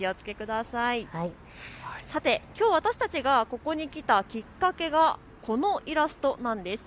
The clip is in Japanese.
さて、きょうは私たちがここに来きっかけがこのイラストなんです。